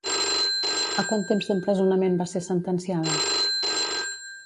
A quant temps d'empresonament va ser sentenciada?